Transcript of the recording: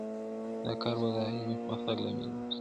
دا کار به د علمي پرمختګ لامل وګرځي.